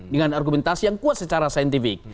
dengan argumentasi yang kuat secara saintifik